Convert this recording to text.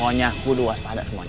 pokoknya aku luas pada semuanya